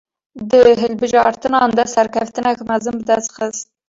Di hilbijartinan de serkeftinek mezin bi dest xist